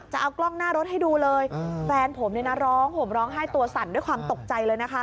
จะเอากล้องหน้ารถให้ดูเลยแฟนผมเนี่ยนะร้องห่มร้องไห้ตัวสั่นด้วยความตกใจเลยนะคะ